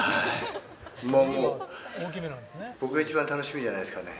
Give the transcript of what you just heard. もう僕が一番楽しみじゃないですかね。